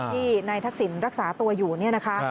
ที่ในทักศิลป์รักษาตัวอยู่นะคะ